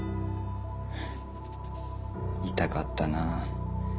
痛かったなあ。